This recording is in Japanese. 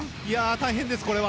大変です、これは。